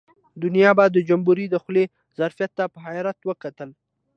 دنیا به د جمبوري د خولې ظرفیت ته په حیرت وکتل.